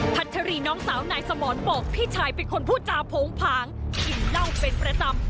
ัชรีน้องสาวนายสมรบอกพี่ชายเป็นคนพูดจาโผงผางกินเหล้าเป็นประจำ